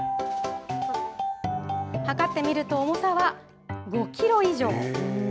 量ってみると、重さは５キロ以上。